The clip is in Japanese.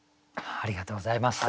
ありがとうございます。